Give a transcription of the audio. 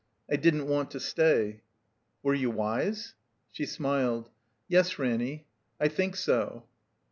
"I didn't want to stay." "Were you wise?" She smiled. "Yes, Ranny. I think so."